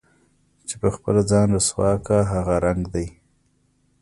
چې په خپله ځان رسوا كا هغه رنګ دے